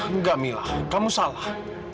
enggak mila kamu salah